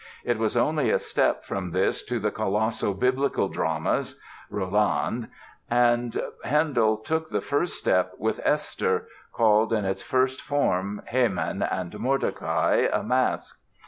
It was only a step from this to the colossal Biblical dramas." (Rolland) And Handel took this first step with "Esther", called in its first form "Haman and Mordecai, a masque."